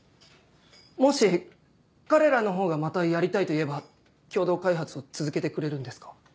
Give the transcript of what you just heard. もし彼らの方がまたやりたいと言えば共同開発を続けてくれるんですか？